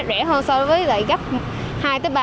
rẻ hơn so với gấp